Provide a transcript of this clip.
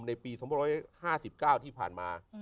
ในปีคร้องบร้อย๕๙ที่ผ่านมา